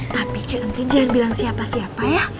tapi cek nanti jangan bilang siapa siapa ya